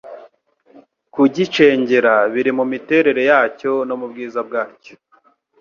kugicengera biri mu miterere yacyo no mu bwiza bwacyo